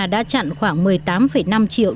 đã chặn khoảng một mươi tám năm triệu